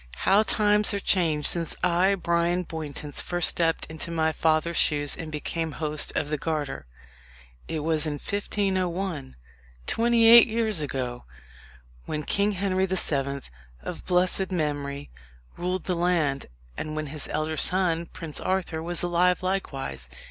how times are changed since I, Bryan Bowntance, first stepped into my father's shoes, and became host of the Garter. It was in 1501 twenty eight years ago when King Henry the Seventh, of blessed memory, ruled the land, and when his elder son, Prince Arthur, was alive likewise.